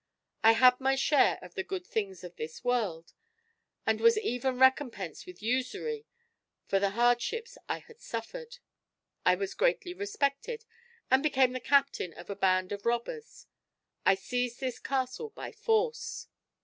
I had my share of the good things of this world; and was even recompensed with usury for the hardships I had suffered. I was greatly respected, and became the captain of a band of robbers. I seized this castle by force.